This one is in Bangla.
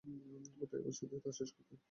ওটাই আমার সাথে তাঁর শেষ কথা।